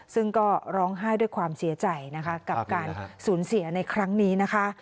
ซึ่งก็ร้องไห้ด้วยความเสียใจนะคะกับการสูญเสียในครั้งนี้นะคะ